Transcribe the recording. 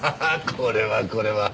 これはこれは。